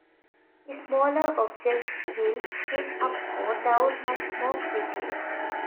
Smaller objects will spin up or down much more quickly.